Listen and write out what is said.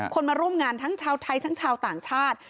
มาร่วมงานทั้งชาวไทยทั้งชาวต่างชาติ